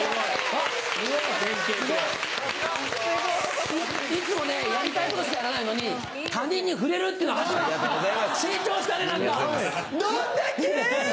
いつもねやりたいことしかやらないのに他人に振れるっていうのは初めて。